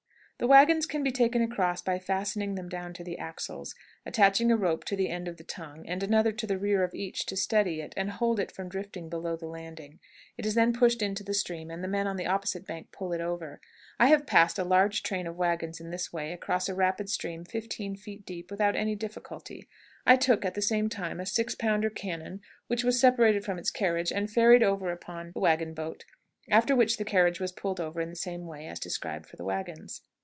The wagons can be taken across by fastening them down to the axles, attaching a rope to the end of the tongue, and another to the rear of each to steady it and hold it from drifting below the landing. It is then pushed into the stream, and the men on the opposite bank pull it over. I have passed a large train of wagons in this way across a rapid stream fifteen feet deep without any difficulty. I took, at the same time, a six pounder cannon, which was separated from its carriage, and ferried over upon the wagon boat; after which the carriage was pulled over in the same way as described for the wagons.